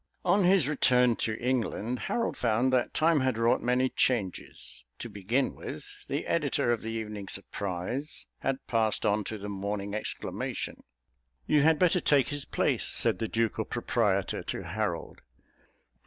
On his return to England Harold found that time had wrought many changes. To begin with, the editor of The Evening Surprise had passed on to The Morning Exclamation. "You had better take his place," said the ducal proprietor to Harold.